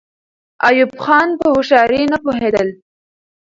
ایوب خان په هوښیارۍ نه پوهېدل.